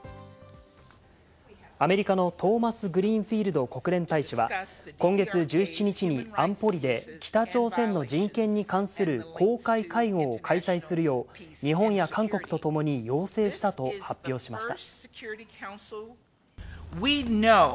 アメリカのトーマスグリーンフィールド国連大使は、今月１７日に安保理で北朝鮮の人権に関する公開会合を開催するよう日本や韓国と共に要請したと発表しました。